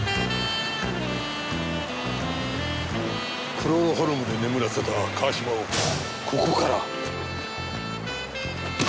クロロホルムで眠らせた川島をここから。